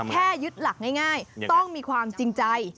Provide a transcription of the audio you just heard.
ยึดหลักง่ายต้องมีความจริงใจ